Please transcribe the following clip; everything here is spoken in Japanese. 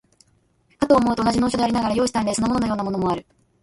かと思うと、同じ能書でありながら、容姿端麗そのもののようなものもある。